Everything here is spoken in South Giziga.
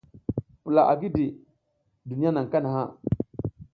Pula a gidi, duniya naƞ kanaha.